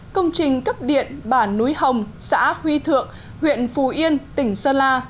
công trình cấp điện bản núi hồng xã huy thượng huyện phù yên tỉnh sơn la